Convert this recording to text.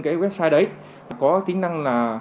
cái website đấy có tính năng là